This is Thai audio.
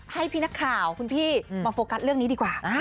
ให้พี่นักข่าวคุณพี่มาโฟกัสเรื่องนี้ดีกว่า